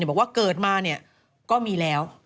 บอกว่าเกิดมาก็มีแล้ว